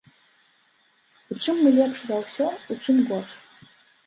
У чым мы лепш за ўсё, у чым горш?